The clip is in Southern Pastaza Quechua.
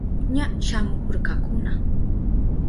Ña shamuhurkakuna.